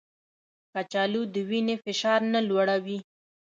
کچالو د وینې فشار نه لوړوي